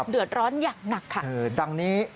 เดือดร้อนอย่างหนักค่ะ